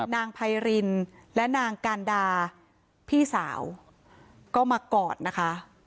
ไพรินและนางการดาพี่สาวก็มากอดนะคะ